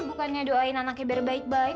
bukannya doain anaknya biar baik baik